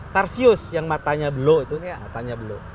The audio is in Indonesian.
tarsius yang matanya blue